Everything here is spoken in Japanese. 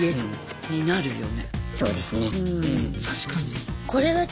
そうですね。